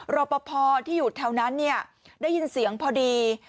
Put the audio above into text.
รอปภที่อยู่แถวนั้นเนี่ยได้ยินเสียงพอดี